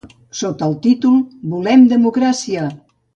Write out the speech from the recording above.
Sota el títol Volem democràcia!